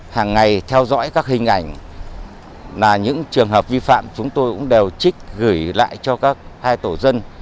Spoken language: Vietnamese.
hàng ngày theo dõi các hình ảnh là những trường hợp vi phạm chúng tôi cũng đều trích gửi lại cho các hai tổ dân